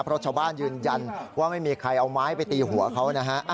เพราะชาวบ้านยืนยันว่าไม่มีใครเอาไม้ไปตีหัวเขานะฮะ